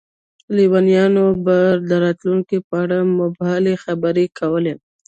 لیونیان به د راتلونکي په اړه مبهمې خبرې کولې.